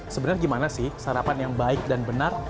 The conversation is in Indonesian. sebenarnya gimana sih sarapan yang baik dan benar